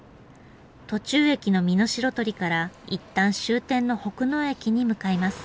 途中駅の美濃白鳥から一旦終点の北濃駅に向かいます。